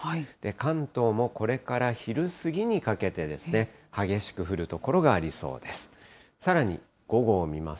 関東もこれから昼過ぎにかけて、激しく降る所がありそうです。